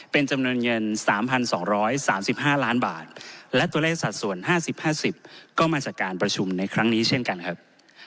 เป็นจำนวนเงิน๓๒๓๕ล้านบาทและตัวเลขสัดส่วน๕๐๕๐ก็มาจากการประชุมในครั้งนี้เช่นกันครับ